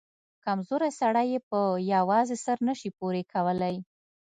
کمزورى سړى يې په يوازې سر نه سي پورې کولاى.